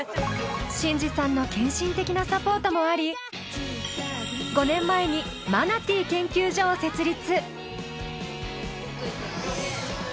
慎二さんの献身的なサポートもあり５年前にマナティー研究所を設立。